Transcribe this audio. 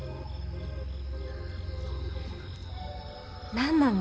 何なの？